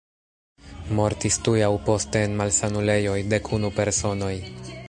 Mortis tuj aŭ poste en malsanulejoj dek-unu personoj.